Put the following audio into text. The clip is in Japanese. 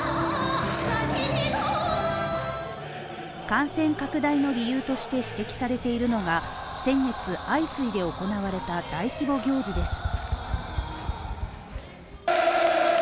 感染拡大の理由として指摘されているのが先月相次いで行われた大規模行事です。